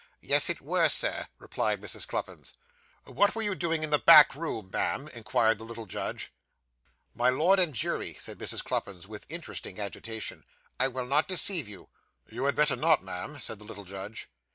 'Yes, it were, Sir,' replied Mrs. Cluppins. 'What were you doing in the back room, ma'am?' inquired the little judge. 'My Lord and jury,' said Mrs. Cluppins, with interesting agitation, 'I will not deceive you.' 'You had better not, ma'am,' said the little judge.